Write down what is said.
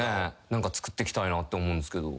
何かつくってきたいなって思うんすけど。